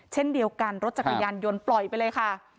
เช่นเดียวกันรถจักรยานยนต์ปล่อยไปเลยค่ะ